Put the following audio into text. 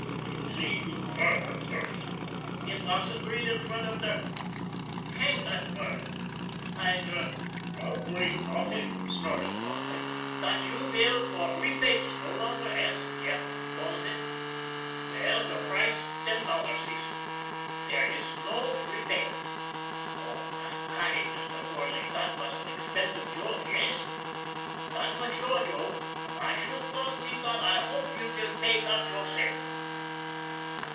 We'll see you further, first." " It vas agreed in front of der hang dot word ! py der" " Agreed nothing !" snorted Thornley. "Dot you vill for repates no longer ask, yet, don'd it ? Veil, der price ten dollars iss. Dere iss no repate. Oh, py golly, Mister Thornley, dot vas an expensive joke yess? Dot vas your joke, und I shusht thought me dot I hope you will pay dot yourself."